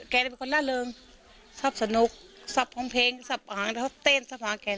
แกได้เป็นคนล่าเริงชอบสนุกชอบฮ่องเพลงชอบอาหารชอบเต้นชอบอาหารแก